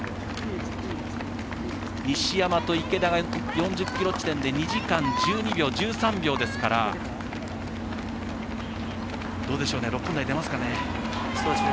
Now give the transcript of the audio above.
西山と池田が４０ｋｍ地点で２時間１２秒、１３秒ですからどうでしょう、６分台出ますかね。